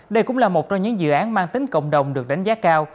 đây cũng là một trong những dự án mang tính cộng đồng được đánh giá cao